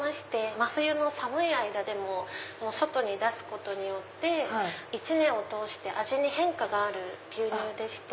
真冬の寒い間でも外に出すことによって一年を通して味に変化がある牛乳でして。